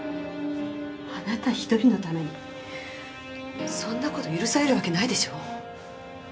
あなた１人のためにそんな事許されるわけないでしょう？